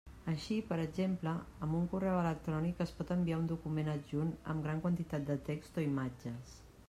Així, per exemple, amb un correu electrònic es pot enviar un document adjunt amb gran quantitat de text o imatges.